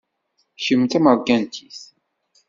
Kemm d tameṛkantit.